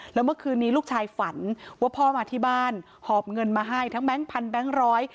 แล้วเมื่อคืนนี้ลูกชายฝันว่าพ่อมาที่บ้านหอบเงินมาให้ทั้งแก๊งพันแบงค์ร้อย